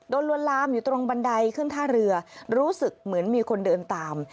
ลวนลามอยู่ตรงบันไดขึ้นท่าเรือรู้สึกเหมือนมีคนเดินตาม